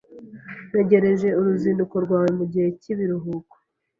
Ntegereje uruzinduko rwawe mugihe cyibiruhuko.